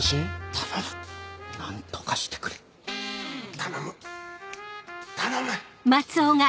頼む何とかしてくれ頼む頼む！